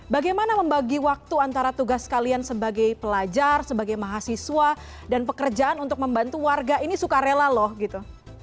bagaimana membagi waktu antara tugas kalian sebagai pelajar sebagai mahasiswa dan pekerjaan untuk membantu warga ini suka rela loh gitu